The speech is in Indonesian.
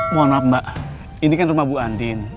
mohon maaf mbak ini kan rumah bu andin